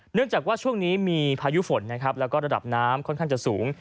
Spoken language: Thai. เนื่องจากว่าช่วงนี้มีพายุฝนนะครับแล้วก็ระดับน้ำค่อนข้างจะสูง